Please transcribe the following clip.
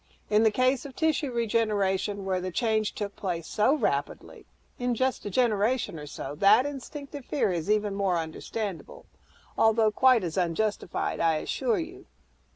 In the case of tissue regeneration, where the change took place so rapidly, in just a generation or so, that instinctive fear is even more understandable although quite as unjustified, I assure you."